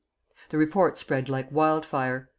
The report spread like wild fire.